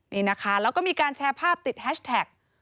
นี่นะคะแล้วก็มีการแชร์ภาพติดแฮชแท็ก